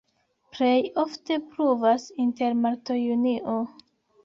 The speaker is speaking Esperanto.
Plej ofte pluvas inter marto-junio.